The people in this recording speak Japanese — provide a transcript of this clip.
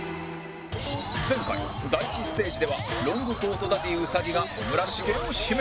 前回第１ステージではロングコートダディ兎が村重を指名